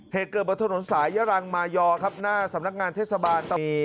เหตุเกิดบนถนนสายยรังมายอครับหน้าสำนักงานเทศบาลตะปู